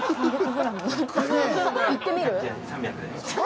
いってみる？